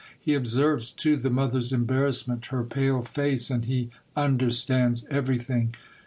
He observes, too, the mother's embarrassment, her pale face, and he understands everything.